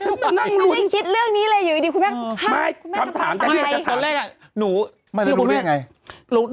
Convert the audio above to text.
เหมือนที่ดูเรื่องไง